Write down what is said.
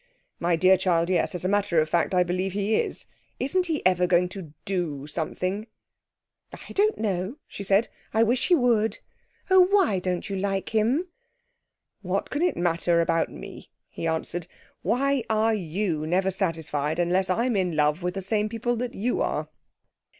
'My dear child, yes as a matter of fact, I believe he is. Isn't he ever going to do something?' 'I don't know,' she said. 'I wish he would. Oh, why don't you like him?' 'What can it matter about me?' he answered. 'Why are you never satisfied unless I'm in love with the same people that you are?'